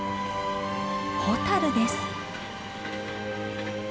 ホタルです。